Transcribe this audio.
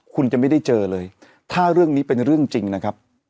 คุณจะไม่ได้เจอเลยถ้าเรื่องนี้เป็นเรื่องจริงนะครับ